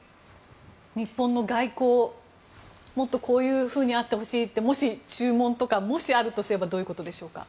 日本の外交もっとこういうふうにあってほしいというもし注文とかがあるとすればどういったことでしょうか。